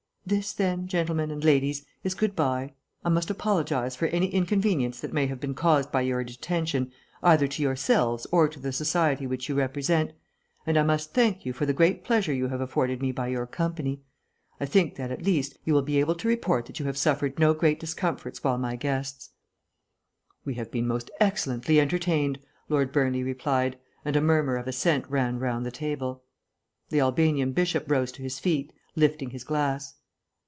This, then, gentlemen and ladies, is good bye. I must apologise for any inconvenience that may have been caused by your detention, either to yourselves or to the society which you represent, and I must thank you for the great pleasure you have afforded me by your company. I think that, at least, you will be able to report that you have suffered no great discomforts while my guests." "We have been most excellently entertained," Lord Burnley replied, and a murmur of assent ran round the table. The Albanian Bishop rose to his feet, lifting his glass.